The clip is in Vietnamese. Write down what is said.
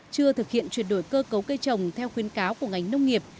chưa thực hiện chuyển đổi cơ cấu cây trồng theo khuyến cáo của ngành nông nghiệp